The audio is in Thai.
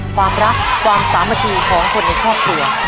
ความรักความสามัคคีของคนในครอบครัว